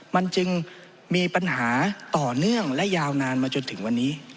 มันจึงมีปัญหาต่อเนื่องและยาวนานมาจนถึงวันนี้